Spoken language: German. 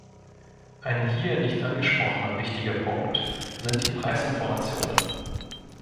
Ein hier nicht angesprochener wichtiger Punkt sind die Preisinformationen.